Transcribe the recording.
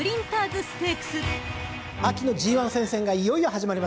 秋のＧⅠ戦線がいよいよ始まりますね。